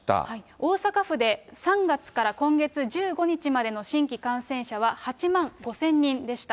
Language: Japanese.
大阪府で、３月から今月１５日までの新規感染者は８万５０００人でした。